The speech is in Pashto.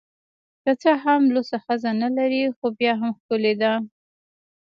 که څه هم لوڅه ښځه نلري خو بیا هم ښکلې ده